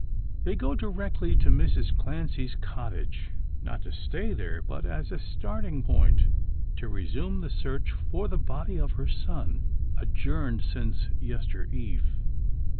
They go direct to Mrs Clancy's cottage; not to stay there, but as a starting point, to resume the search for the body of her son, adjourned since yester eve.